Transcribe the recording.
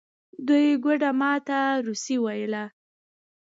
دوی ګوډه ما ته روسي ویله.